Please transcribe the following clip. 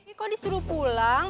ih kok disuruh pulang